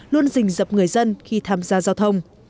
luôn dình dập người dân khi tham gia giao thông